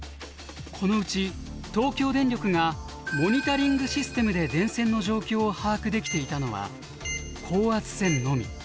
このうち東京電力がモニタリングシステムで電線の状況を把握できていたのは高圧線のみ。